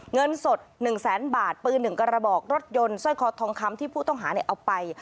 เงินสด๑แสนบาทปืน๑กระบอกรถยนต์สร้อยคอทองคำที่ผู้ต้องหาเอาไป